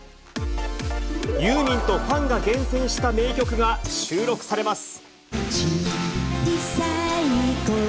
ユーミンとファンが厳選した名曲が収録されます。